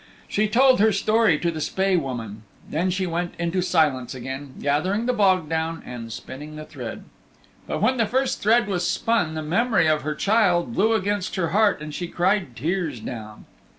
She told her story to the Spae Woman. Then she went into silence again, gathering the bog down and spinning the thread. But when the first thread was spun the memory of her child blew against her heart and she cried tears down.